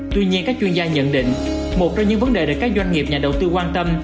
tuy nhiên các chuyên gia nhận định một trong những vấn đề được các doanh nghiệp nhà đầu tư quan tâm